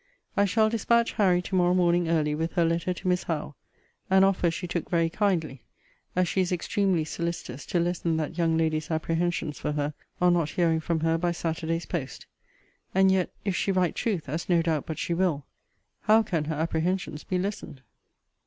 I shall dispatch Harry to morrow morning early with her letter to Miss Howe: an offer she took very kindly; as she is extremely solicitous to lessen that young lady's apprehensions for her on not hearing from her by Saturday's post: and yet, if she write truth, as no doubt but she will, how can her apprehensions be lessened?